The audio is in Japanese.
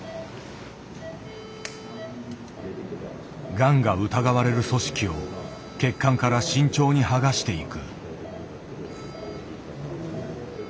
がんが疑われる組織を血管から慎重に剥がしていく。